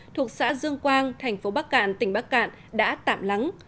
thuộc xã dương quang thành phố bắc cạn tỉnh bắc cạn đã tạm lắng